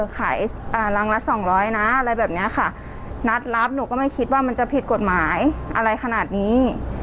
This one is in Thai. ขายรังละสองร้อยนะอะไรแบบนี้ค่ะนัดรับหนูก็ไม่คิดว่ามันจะผิดกฎหมายอะไรขนาดนี้